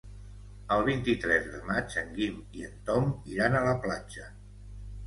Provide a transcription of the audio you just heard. El vint-i-tres de maig en Guim i en Tom iran a la platja.